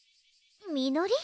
みのり？